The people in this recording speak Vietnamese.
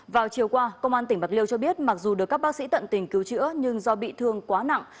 vào chiều qua công an tỉnh bạc liêu cho biết mặc dù được các bác sĩ tận tình cứu chữa nhưng do bị thương quá nặng